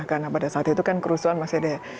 karena pada saat itu kan kerusuhan masih ada